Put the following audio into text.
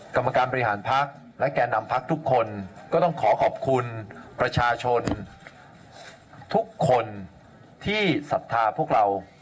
กรรมการบริหารพักและแก่นำพักทุกคนก็ต้องขอขอบคุณประชาชนทุกคนที่ศรัทธาพวกเรา